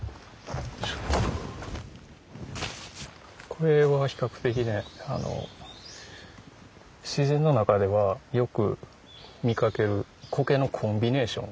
これは比較的ね自然の中ではよく見かけるコケのコンビネーション。